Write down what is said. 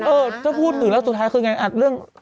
เออถ้าพูดถึงแล้วสุดท้ายคือไงอัดเรื่อง